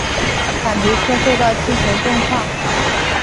坦皮科受到气旋重创。